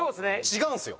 違うんですよ！